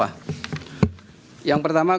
yang pertama kami akan menyampaikan terkaitkan adalah